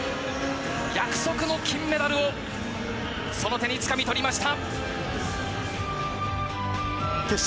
約束の金メダルをその手につかみ取りました。